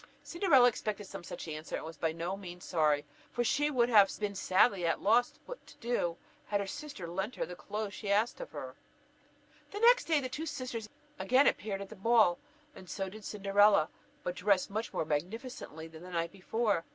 Cinderella expected some such answer, and was by no means sorry, for she would have been sadly at a loss what to do if her sister had lent her the clothes that she asked of her. The next day the two sisters again appeared at the ball, and so did Cinderella, but dressed much more magnificently than the night before.